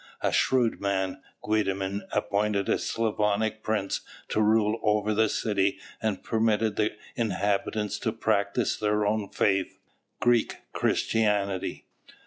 A shrewd man, Guedimin appointed a Slavonic prince to rule over the city and permitted the inhabitants to practise their own faith, Greek Christianity.